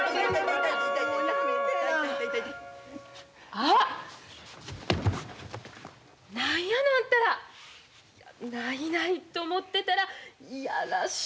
あっ何やのあんたら。ないないと思ってたら嫌らしい。